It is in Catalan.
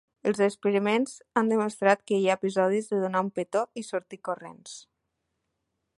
Els experiments han demostrat que hi ha episodis de donar un petó i sortir corrents.